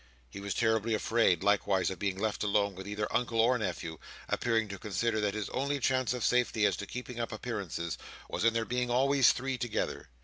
He was terribly afraid, likewise, of being left alone with either Uncle or nephew; appearing to consider that his only chance of safety as to keeping up appearances, was in there being always three together.